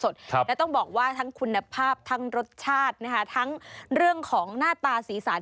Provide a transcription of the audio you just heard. แล้วต้องบอกว่าทั้งคุณภาพทั้งรสชาตินะคะทั้งเรื่องของหน้าตาสีสัน